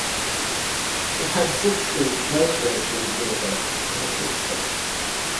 It had a six-speed close ratio gearbox with a kick-start.